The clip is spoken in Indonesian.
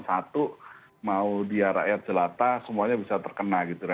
satu mau dia rakyat jelata semuanya bisa terkena gitu